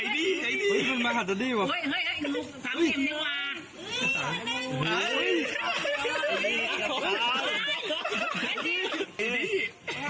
น่ากลัวจิ๊กเฟ่งเลย